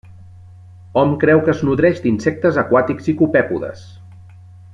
Hom creu que es nodreix d'insectes aquàtics i copèpodes.